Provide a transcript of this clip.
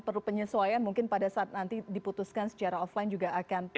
perlu penyesuaian mungkin pada saat nanti diputuskan secara offline juga akan